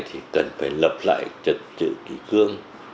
thì cần phải lập lại chật chữ ký cương